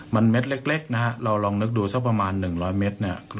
มันเม็ดเล็กเล็กนะฮะเรารองนึกดูสักประมาณหนึ่งร้อยเม็ดเนี้ย